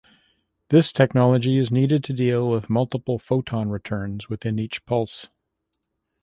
This technology is needed to deal with multiple photon returns within each pulse.